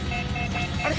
あれ？